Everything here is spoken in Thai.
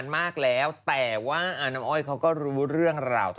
น้ำอ้อยเขาก็ไม่ได้พูดเรื่องนี้นะ